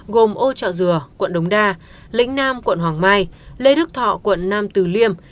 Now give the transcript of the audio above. gồm âu trọ dừa quận đống đa lĩnh nam quận hoàng mai lê đức thọ quận nam từ liêm